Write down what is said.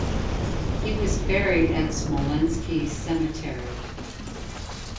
He was buried at the Smolensky Cemetery.